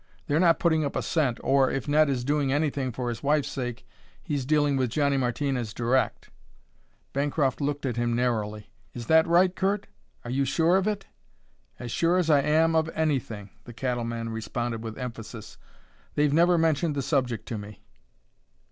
They're not putting up a cent, or, if Ned is doing anything for his wife's sake, he's dealing with Johnny Martinez direct." Bancroft looked at him narrowly. "Is that right, Curt? Are you sure of it?" "As sure as I am of anything," the cattleman responded with emphasis. "They've never mentioned the subject to me."